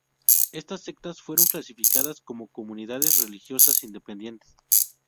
Estas sectas fueron clasificadas como comunidades religiosas independientes.